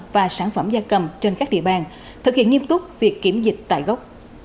và sản phẩm da cầm trên các địa bàn thực hiện nghiêm túc việc kiểm dịch tại gốc